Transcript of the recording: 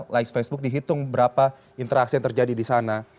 like facebook dihitung berapa interaksi yang terjadi di sana